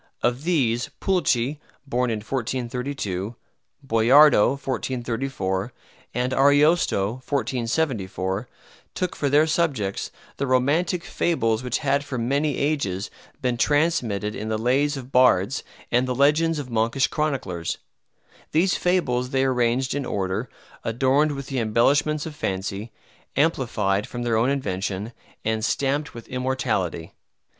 Of these, Pulci (born in 1432), Boiardo (1434), and Ariosto (1474) took for their subjects the romantic fables which had for many ages been transmitted in the lays of bards and the legends of monkish chroniclers. These fables they arranged in order, adorned with the embellishments of fancy, amplified from their own invention, and stamped with immortality.